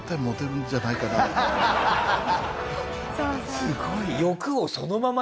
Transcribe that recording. すごい。